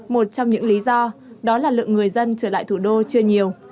một trong những lý do đó là lượng người dân trở lại thủ đô chưa nhiều